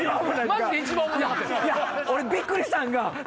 マジで一番おもんなかった。